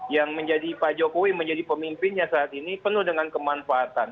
yang menjadi pak jokowi menjadi pemimpinnya saat ini penuh dengan kemanfaatan